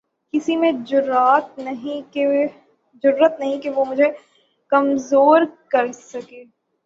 کسی میں جرات نہیں کہ مجھے کمزور کر سکے